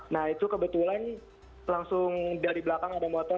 nah itu kebetulan langsung dari belakang